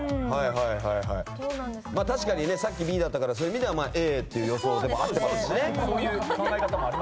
確かにさっきＢだったからそういう意味ではＡという予想もね。